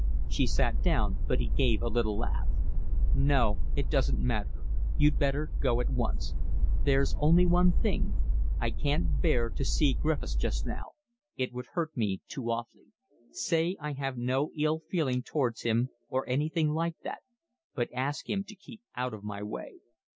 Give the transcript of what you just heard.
She sat down, but he gave a little laugh. "No, it doesn't matter, you'd better go at once. There's only one thing: I can't bear to see Griffiths just now, it would hurt me too awfully. Say I have no ill feeling towards him or anything like that, but ask him to keep out of my way."